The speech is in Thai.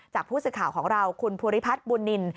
จากผู้สื่อข่าวของเราคุณภูริพัฒน์บุญนิน